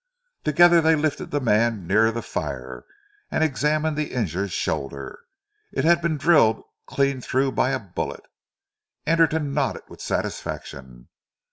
Together they lifted the man nearer the fire, and examined the injured shoulder. It had been drilled clean through by a bullet. Anderton nodded with satisfaction.